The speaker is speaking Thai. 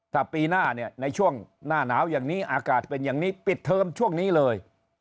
ถ้าปีหน้าเนี่ยในช่วงหน้าหนาวอย่างนี้อากาศเป็นอย่างนี้ปิดเทอมช่วงนี้เลย